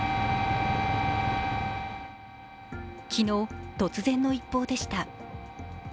昨日、突然の一報でした。